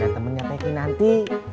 ada temennya teki nanti